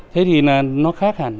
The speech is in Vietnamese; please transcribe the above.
thế thì nó khác